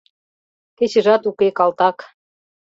— Кечыжат уке, калтак.